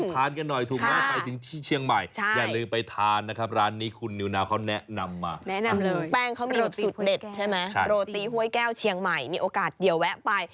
แป้งเขามีสุดเด็ดโรตีห้วยแก้วเชียงใหม่มีโอกาสเดี๋ยวแวะไป